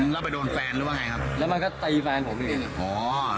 แล้วไปโดนแฟนหรือว่าไงครับแล้วมันก็ตีแฟนผมอีกอ๋อ